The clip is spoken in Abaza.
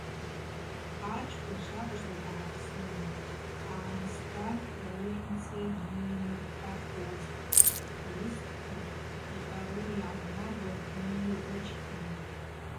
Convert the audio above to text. Ачкӏвын швабыжта дгӏапсун, агӏмыста ауи мцы гьиймырхӏвахуазтӏ, уыста йкъару йгӏанагуа ййрычпун.